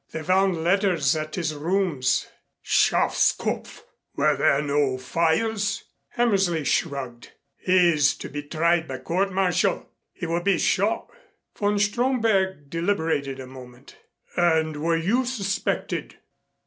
"They found letters at his rooms." "Schafskopf! Were there no fires?" Hammersley shrugged. "He is to be tried by court martial. He will be shot." Von Stromberg deliberated a moment. "And were you suspected?"